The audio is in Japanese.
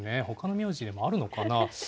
ほかの名字でも、あるのかな。